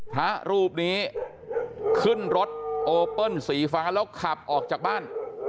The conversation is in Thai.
พระรูปนี้ขึ้นรถโอเปิ้ลสีฟ้าแล้วขับออกจากบ้าน